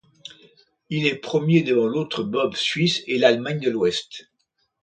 Il est premier devant l'autre bob suisse et l'Allemagne de l'Ouest.